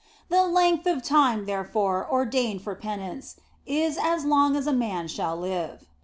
The length of time, therefore, ordained for penance, is as long as a man shall live.